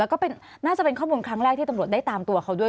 แล้วก็น่าจะเป็นข้อมูลครั้งแรกที่ตำรวจได้ตามตัวเขาด้วย